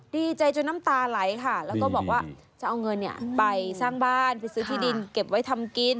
ดีใจจนน้ำตาไหลค่ะแล้วก็บอกว่าจะเอาเงินไปสร้างบ้านไปซื้อที่ดินเก็บไว้ทำกิน